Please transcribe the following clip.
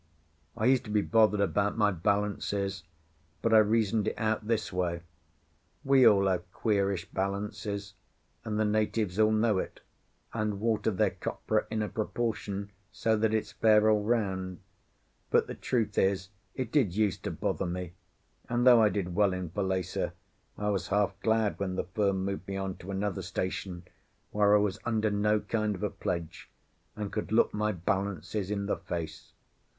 I used to be bothered about my balances, but I reasoned it out this way: We all have queerish balances; and the natives all know it, and water their copra in a proportion so that it's fair all round; but the truth is, it did use to bother me, and, though I did well in Falesá, I was half glad when the firm moved me on to another station, where I was under no kind of a pledge and could look my balances in the face.